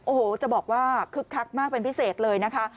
โอ้โหจะบอกว่าคึกคักมากเป็นพิเศษเลยนะคะ